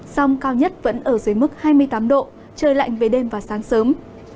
song cao nhất vẫn ở dưới mức hai mươi tám độ trời lạnh về đêm và sáng sớm